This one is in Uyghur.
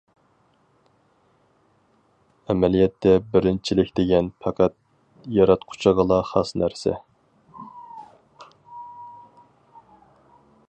ئەمەلىيەتتە بىرىنچىلىك دېگەن پەقەت ياراتقۇچىغىلا خاس نەرسە.